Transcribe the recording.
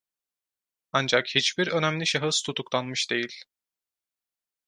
Ancak hiçbir önemli şahıs tutuklanmış değil.